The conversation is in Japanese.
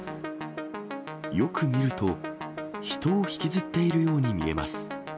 よく見ると、人を引きずっているように見えます。